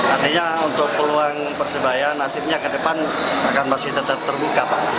artinya untuk peluang persebaya nasibnya ke depan akan masih tetap terbuka pak